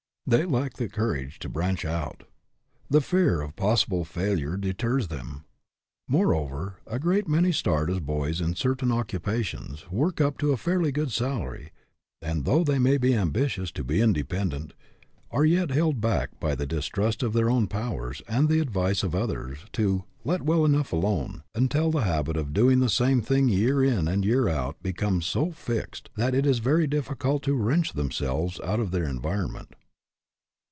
They lack the courage to branch out. The fear of possible failure de ters them. Moreover, a great many start as boys in certain occupations, work up to a fairly good salary, and, though they may be ambitious to be independent, are yet held back by the distrust of their own powers and the advice of others, to " let well enough alone," until the habit of doing the same thing year in and year out becomes so fixed that it is very difficult to wrench themselves out of their environment.